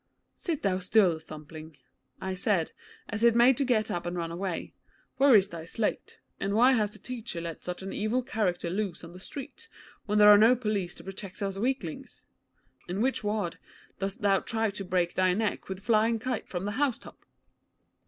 'Sit thou still, Thumbling,' I said, as it made to get up and run away. 'Where is thy slate, and why has the teacher let such an evil character loose on the streets when there are no police to protect us weaklings? In which ward dost thou try to break thy neck with flying kites from the house top?'